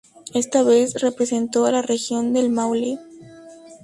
Esta vez, representó a la Región del Maule.